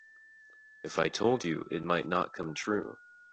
If I told you it might not come true.